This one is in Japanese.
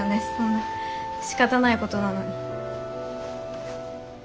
そんなしかたないことなのに。